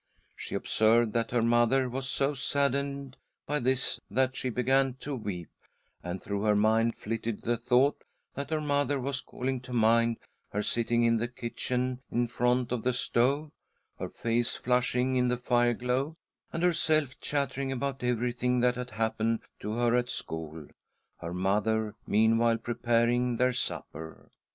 She observed that her mother was so saddened by this that she began to weep, and through her mind flitted the thought that her mother was calling to mind her sitting in the kitchen in front of the stove, her face flushing in the fire glow, and herself chattering about everything that had happened to her at school, her mother mean while preparing their supper.